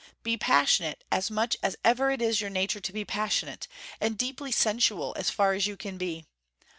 Be passionate as much as ever it is your nature to be passionate, and deeply sensual as far as you can be.